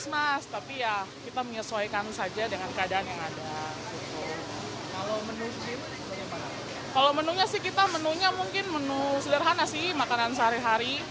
menurut penyelidikan masak masak di posko ini sangat mudah dan tidak terlalu berbahaya